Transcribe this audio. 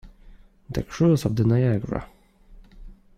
The cruise of the Niagara.